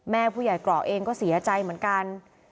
แม่ผู้ใหญ่เกราะเองก็เสียใจเหมือนกัน